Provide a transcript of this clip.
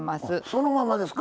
そのままですか？